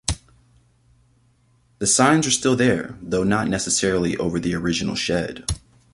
The signs are still there, though not necessarily over the original shed.